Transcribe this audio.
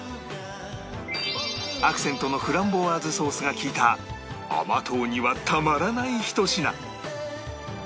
アクセントのフランボワーズソースが利いた甘党にはたまらないひと品